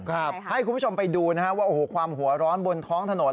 ให้คุณผู้ชมไปดูนะฮะว่าโอ้โหความหัวร้อนบนท้องถนน